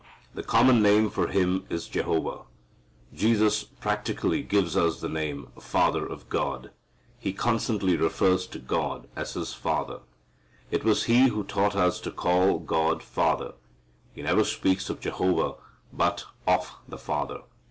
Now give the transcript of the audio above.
The common name for Him is Jehovah. Jesus practically gives us the name Father for God. He constantly refers to God as His Father. It was He who taught us to call God Father. He never speaks of Jehovah, but of the Father.